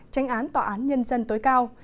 tránh án tòa án nhân dân tối cao